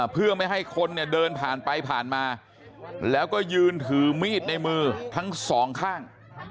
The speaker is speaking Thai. เพื่อไม่ให้คนเนี่ยเดินผ่านไปผ่านมาแล้วก็ยืนถือมีดในมือทั้งสองข้าง